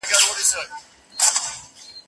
ورته وخاندم او وروسته په ژړا سم